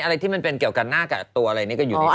อะไรที่มันเป็นเกี่ยวกับหน้ากับตัวอะไรนี่ก็อยู่ในนั้น